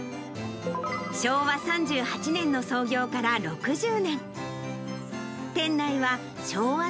昭和３８年の創業から６０年。